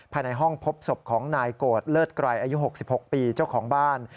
ภายในห้องพบศพของนายโกรธเลิศไกรอายุ๖๖ปีเจ้าของบ้าน